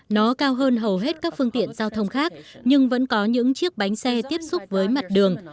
nó cao hơn hầu hết các phương tiện giao thông khác nhưng vẫn có những chiếc bánh xe tiếp xúc với mặt đường